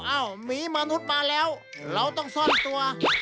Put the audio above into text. หมีมนุษย์มาแล้วเราต้องซ่อนตัว